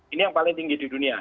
ini yang paling tinggi di dunia